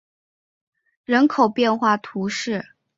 布列塔尼达尔马尼亚克人口变化图示